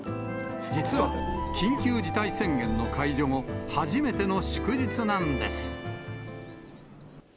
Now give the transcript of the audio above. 実は、緊急事態宣言の解除後、初めての祝日なんです。